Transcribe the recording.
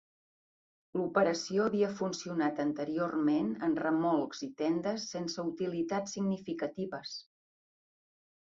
L'operació havia funcionat anteriorment en remolcs i tendes, sense utilitats significatives.